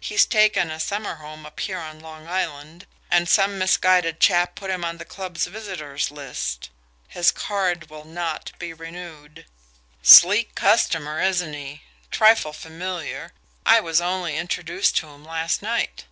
He's taken a summer home up here on Long Island, and some misguided chap put him on the club's visitor's list. His card will NOT be renewed. Sleek customer, isn't he? Trifle familiar I was only introduced to him last night."